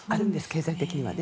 経済的には。